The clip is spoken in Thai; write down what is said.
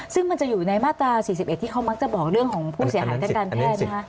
ซึ่งมันจะอยู่ในมาตรา๔๑ที่เขามักจะบอกเรื่องของผู้เสียหายทางการแพทย์นะคะ